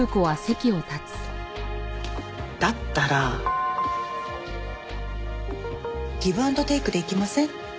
だったらギブ・アンド・テイクでいきません？